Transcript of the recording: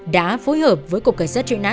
đã phối hợp với cục cảnh sát truy nã